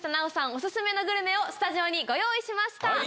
オススメのグルメをスタジオにご用意しました。